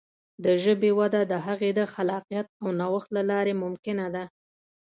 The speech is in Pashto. د ژبې وده د هغې د خلاقیت او نوښت له لارې ممکنه ده.